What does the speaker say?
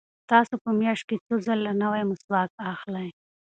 تاسو په میاشت کې څو ځله نوی مسواک اخلئ؟